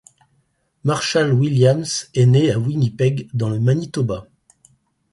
Marshall Williams est né à Winnipeg dans le Manitoba.